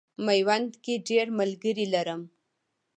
میوند کې ډېر ملګري لرم.